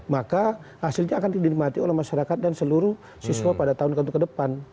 maka hasilnya akan dinikmati oleh masyarakat dan seluruh siswa pada tahun tahun ke depan